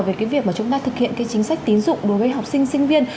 về cái việc mà chúng ta thực hiện cái chính sách tín dụng đối với học sinh sinh viên